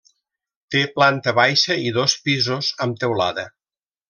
Té planta baixa i dos pisos, amb teulada.